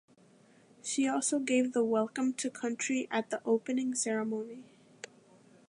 She also gave the Welcome to Country at the opening ceremony.